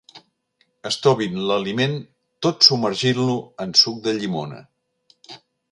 Estovin l'aliment tot submergint-lo en suc de llimona.